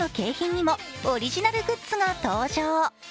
でもオリジナルグッズが登場。